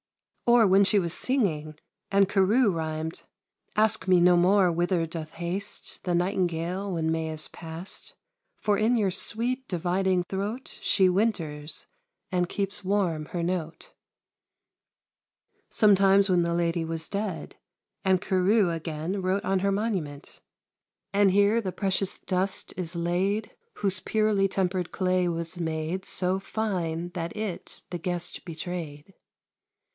Or when she was singing, and Carew rhymed Ask me no more whither doth haste The nightingale when May is past; For in your sweet dividing throat She winters, and keeps warm her note. Sometimes when the lady was dead, and Carew, again, wrote on her monument And here the precious dust is laid, Whose purely tempered clay was made So fine that it the guest betrayed.